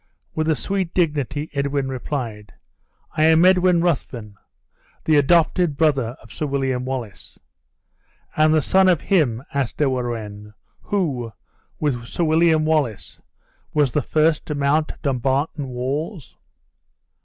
With a sweet dignity, Edwin replied, "I am Edwin Ruthven, the adopted brother of Sir William Wallace." "And the son of him," asked De Warenne, "who, with Sir William Wallace, was the first to mount Dumbarton walls?"